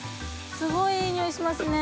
すごいいい匂いしますね。